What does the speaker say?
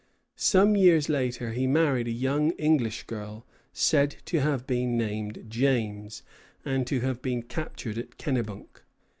Some years later he married a young English girl, said to have been named James, and to have been captured at Kennebunk.